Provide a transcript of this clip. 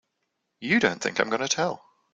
You don't think I'm gonna tell!